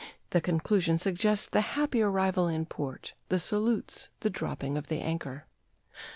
The conclusion suggests the happy arrival in port, the salutes, the dropping of the anchor.